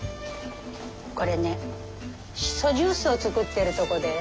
これねしそジュースを作ってるとこです。